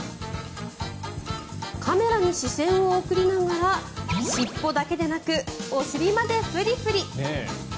カメラに視線を送りながら尻尾だけでなくお尻までフリフリ。